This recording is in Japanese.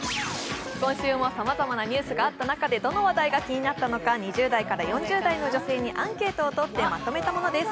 今週もさまざまなニュースがあった中でどの話題が気になったのか２０代から４０代の女性にアンケートを取ってまとめたものです。